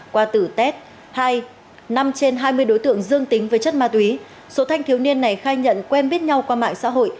qua tử tet năm trên hai mươi đối tượng dương tính với chất ma túy số thanh thiếu niên này khai nhận quen biết nhau qua mạng xã hội